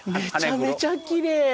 めちゃめちゃきれい。